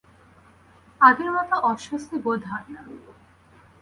আগের মতো অস্বস্তি বোধ হয় না।